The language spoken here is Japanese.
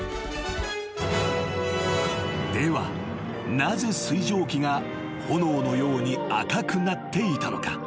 ［ではなぜ水蒸気が炎のように赤くなっていたのか］